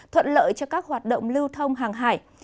thuận lợi cho các hoạt động lưu thông hàng hải